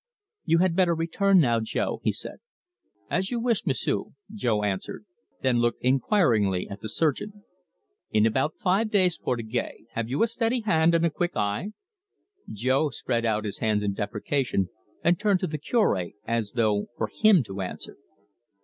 "You had better return now, Jo," he said. "As you wish, M'sieu'," Jo answered, then looked inquiringly at the surgeon. "In about five days, Portugais. Have you a steady hand and a quick eye?" Jo spread out his hands in deprecation, and turned to the Curb, as though for him to answer.